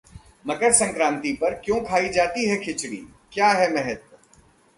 मकर संक्रांति पर क्यों खाई जाती है खिचड़ी, क्या है महत्व?